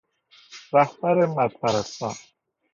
رهبر مدپرستان